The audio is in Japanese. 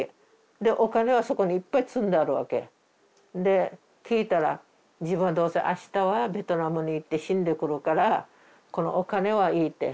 でお金はそこにいっぱい積んであるわけ。で聞いたら「自分はどうせ明日はベトナムに行って死んでくるからこのお金はいい」って。